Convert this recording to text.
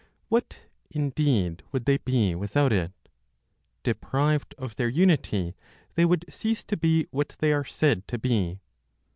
What, indeed would they be without it? Deprived of their unity, they would cease to be what they are said to be.